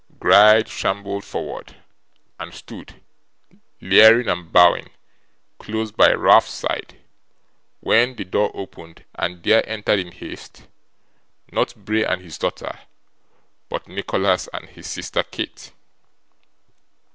Gride shambled forward, and stood, leering and bowing, close by Ralph's side, when the door opened and there entered in haste not Bray and his daughter, but Nicholas and his sister Kate.